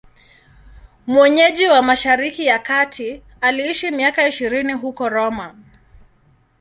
Mwenyeji wa Mashariki ya Kati, aliishi miaka ishirini huko Roma.